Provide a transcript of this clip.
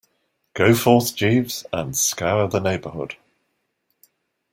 Go forth, Jeeves, and scour the neighbourhood.